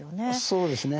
そうですね。